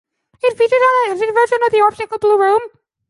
It featured an edited version of The Orb's single "Blue Room".